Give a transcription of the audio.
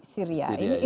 syria ini implikasi